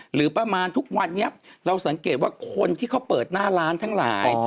หรือประมาณทุกวันนี้เราสังเกตว่าคนที่เขาเปิดหน้าร้านทั้งหลาย